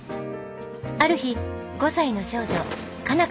ある日５歳の少女佳奈